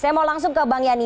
saya mau langsung ke bang yani